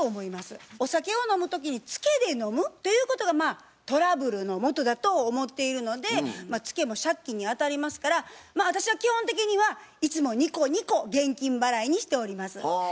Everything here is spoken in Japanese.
お酒を飲む時にツケで飲むということはトラブルのもとだと思っているのでツケも借金にあたりますから私は基本的にはいつもニコニコ現金払いにしております。